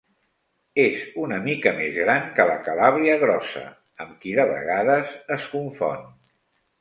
És una mica més gran que la calàbria grossa, amb qui de vegades es confon.